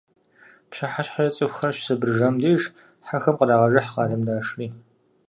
ПщыхьэщхьэкӀэ, цӀыхухэр щысэбырыжам деж, хьэхэм кърагъэжыхь къалэм дашри.